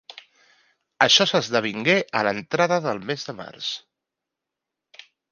Això s'esdevingué a l'entrada del mes de març.